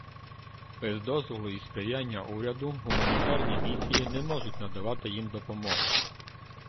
Без дозволу і сприяння уряду гуманітарні місії не можуть надавати їм допомогу.